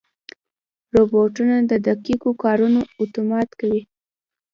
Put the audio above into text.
روبوټونه د دقیقو کارونو اتومات کوي.